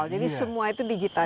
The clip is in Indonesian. jadi semua itu digital